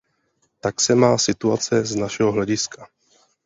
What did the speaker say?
Tak se má situace z našeho hlediska.